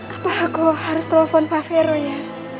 apa aku harus telepon pak vero ya